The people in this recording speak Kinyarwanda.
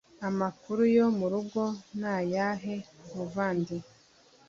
amakuru yo murugo n'ayahe muvandi